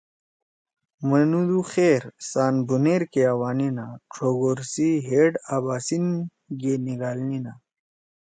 منُودُو خیر سان بونیر کے آوانیِنا، ڇوگور سی ہیڑ آباسین گے نھیِگالینِنا